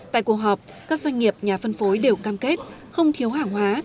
tại cuộc họp các doanh nghiệp nhà phân phối đều cam kết không thiếu hàng hóa